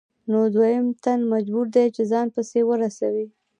نو دویم تن مجبور دی چې ځان پسې ورسوي